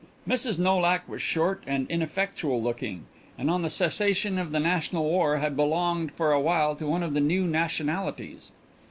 II Mrs. Nolak was short and ineffectual looking, and on the cessation of the world war had belonged for a while to one of the new nationalities.